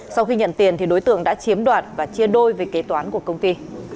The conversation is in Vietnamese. sau khi nhận tiền đối tượng đã chiếm đoạt và chia đôi về kế toán của công ty